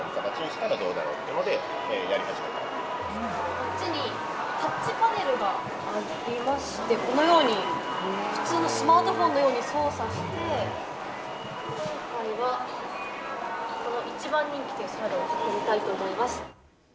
こっちにタッチパネルがありまして、このように普通のスマートフォンのように操作して、今回はこの一番人気というサラダを買ってみたいと思います。